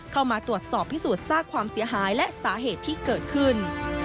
เข้ามาตรวจสอบพิสูจน์ซากความเสียหายและสาเหตุที่เกิดขึ้น